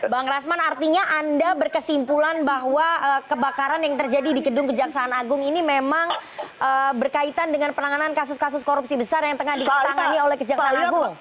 bang rasman artinya anda berkesimpulan bahwa kebakaran yang terjadi di gedung kejaksaan agung ini memang berkaitan dengan penanganan kasus kasus korupsi besar yang tengah diketangani oleh kejaksaan agung